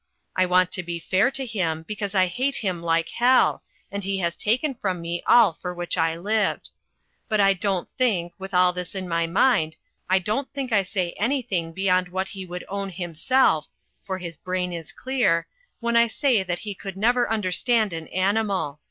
I want to be fair to him, because I hate him like hell, and he has taken from me all for which I lived. But I don't think, with all this in my mind, I don't think I say anything beyond what he would own himself (for his brain is clear) when I say that he could never understand an animal.